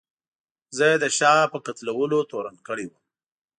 زه یې د شاه په قتلولو تورن کړی وم.